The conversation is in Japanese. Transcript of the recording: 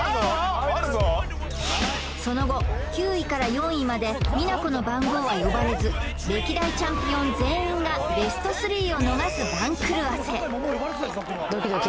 その後９位から４位までミナコの番号は呼ばれず歴代チャンピオン全員がベスト３を逃す番狂わせ